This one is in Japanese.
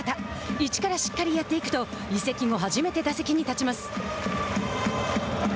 「一からしっかりやっていく」と移籍後、初めて打席に立ちます。